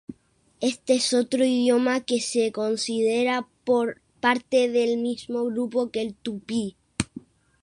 Este es otro idioma que se considera parte del mismo grupo que el tupí.